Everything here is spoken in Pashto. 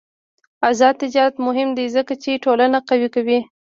آزاد تجارت مهم دی ځکه چې ټولنه قوي کوي.